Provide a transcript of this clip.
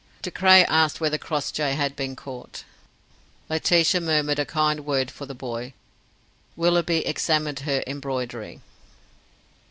De Craye asked whether Crossjay had been caught. Laetitia murmured a kind word for the boy. Willoughby examined her embroidery.